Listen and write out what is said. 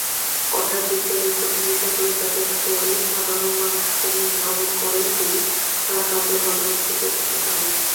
অর্থাৎ বিজ্ঞানের কঠিন বিষয়গুলো যাতে করে সাধারণ মানুষ অনুধাবন করেন, তিনি তার কাজের মাধ্যমে সে প্রচেষ্টা করেন।